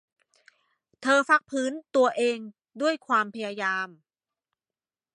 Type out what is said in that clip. เธอพักฟื้นตัวเองด้วยความพยายาม